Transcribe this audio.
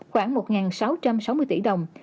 khoảng một sáu trăm sáu mươi tỷ đồng